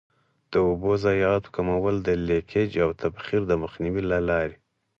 د اوبو ضایعاتو کمول د لیکج او تبخیر د مخنیوي له لارې.